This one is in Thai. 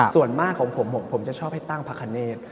ส่วนมากของผมผมจะชอบให้ตั้งพระคเนธ